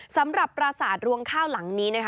สำหรับปราศาสตร์รวงข้าวหลังนี้